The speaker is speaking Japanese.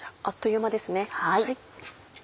あっという間ですね。